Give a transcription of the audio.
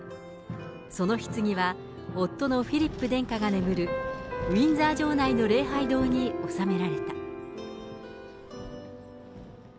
そのひつぎは、夫のフィリップ殿下が眠るウィンザー城内の礼拝堂に納められた。